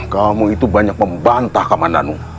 kamu itu banyak membantah kaman danu